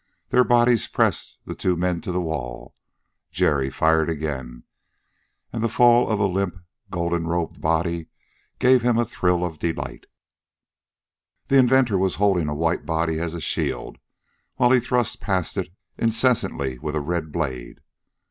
Their bodies pressed the two men to the wall. Jerry fired again, and the fall of a limp, gold robed body gave him a thrill of delight. The inventor was holding a white body as a shield, while he thrust past it incessantly with a red blade.